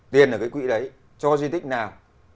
tiền ở cái quỹ đấy cho di tích nào